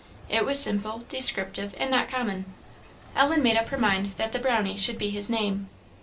It was simple, descriptive, and not common: Ellen made up her mind that 'The Brownie' should be his name.